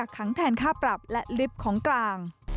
ขังแทนค่าปรับและลิฟต์ของกลาง